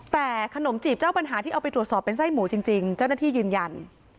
แต่ขนมจีบเจ้าปัญหาที่เอาไปตรวจสอบเป็นไส้หมูจริงเจ้าหน้าที่ยืนยัน